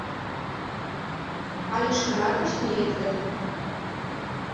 А лишкыракышт миет гын